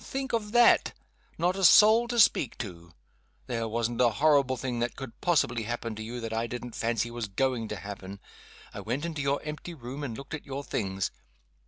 Think of that! Not a soul to speak to! There wasn't a horrible thing that could possibly happen to you that I didn't fancy was going to happen. I went into your empty room and looked at your things.